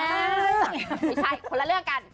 ไม่ใช่คนละเรื่องกัน